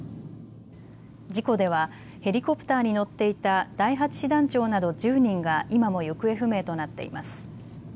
事故ではヘリコプターに乗っていた第８師団長など１０人が今も行方不明となっています。